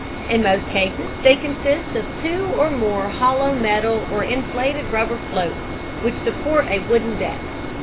In most cases they consist of two or more hollow metal or inflated rubber floats which support a wooden deck.